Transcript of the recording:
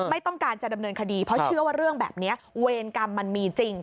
ไม่ต้องการจะดำเนินคดีเพราะเชื่อว่าเรื่องแบบนี้เวรกรรมมันมีจริง